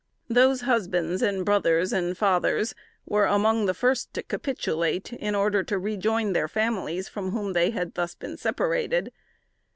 Those husbands, brothers and fathers, were among the first to capitulate in order to rejoin their families from whom they had thus been separated.